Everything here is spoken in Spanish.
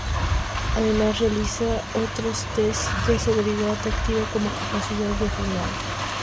Además realiza otros test de seguridad activa como capacidad de frenado.